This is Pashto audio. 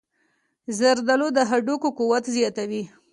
زردآلو د هډوکو قوت زیاتوي.